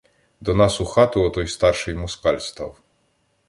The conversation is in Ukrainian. До нас у хату отой старший москаль став.